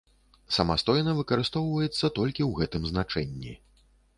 Самастойна выкарыстоўваецца толькі ў гэтым значэнні.